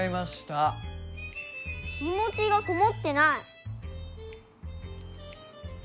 気持ちがこもってない。